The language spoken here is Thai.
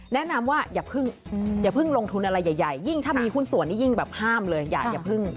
แนะนำว่าอย่าเพิ่งลงทุนอะไรใหญ่ยิ่งถ้ามีหุ้นส่วนนี้ยิ่งแบบห้ามเลยอย่าพึ่ง